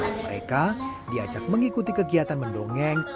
mereka diajak mengikuti kegiatan mendongeng